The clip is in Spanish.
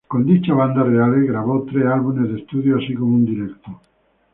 Con dicha banda Reale grabó tres álbumes de estudio así como un directo.